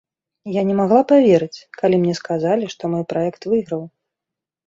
Я не магла паверыць, калі мне сказалі, што мой праект выйграў.